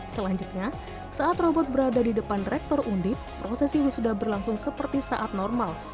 selanjutnya saat robot berada di depan rektor undip prosesi wisuda berlangsung seperti saat normal